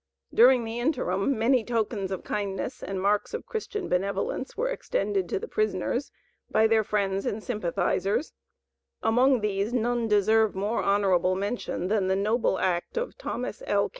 During the interim many tokens of kindness and marks of Christian benevolence were extended to the prisoners by their friends and sympathizers; among these none deserve more honorable mention than the noble act of Thomas L.